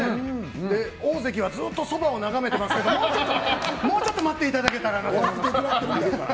大関はずっとそばを眺めてますけどもうちょっと待っていただけたらなと。